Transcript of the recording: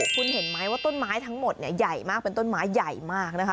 คุณเห็นไหมว่าต้นไม้ทั้งหมดเนี่ยใหญ่มากเป็นต้นไม้ใหญ่มากนะคะ